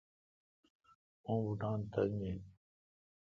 اوں بوٹان تنگ این۔